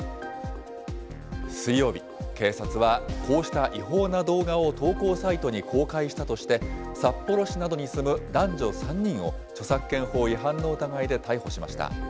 水曜日、警察はこうした違法な動画を投稿サイトに公開したとして、札幌市などに住む男女３人を著作権法違反の疑いで逮捕しました。